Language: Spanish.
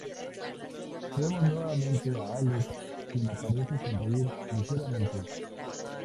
Vemos nuevamente a Alex, quien parece sonreír ligeramente.